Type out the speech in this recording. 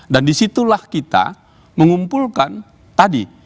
dan disitulah kita mengumpulkan tadi